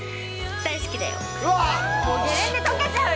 大好きだよ。